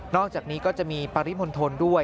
อกจากนี้ก็จะมีปริมณฑลด้วย